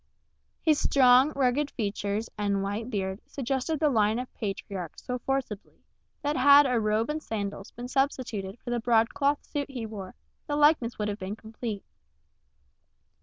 His strong, rugged features and white beard suggested the line of patriarchs so forcibly, that had a robe and sandals been substituted for the broadcloth suit he wore, the likeness would have been complete.